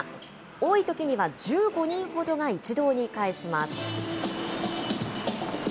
多いときには１５人ほどが一堂に会します。